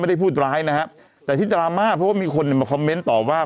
ไม่ได้พูดร้ายนะฮะแต่ที่ดราม่าเพราะว่ามีคนเนี่ยมาคอมเมนต์ตอบว่า